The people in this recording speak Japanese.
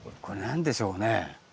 これ何でしょうね？